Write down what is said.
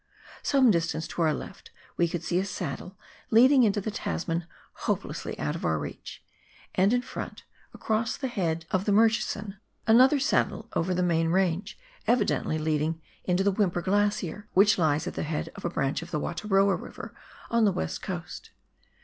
Some distance to our left we could see a saddle leading into the Tasman hopelessly out of our reach, and in front, across the head of 22 PIONEER WORK IN THE ALPS OF NEW ZEALAND. the Murchison, anotlier saddle over the Main Range, evidently leading into the Whymper Glacier, which lies at the head of a branch of the Wataroa River on the west coast.